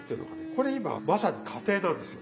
これ今まさに過程なんですよ。